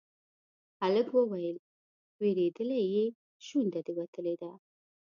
هلک وويل: وېرېدلی يې، شونډه دې وتلې ده.